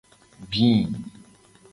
Gbi.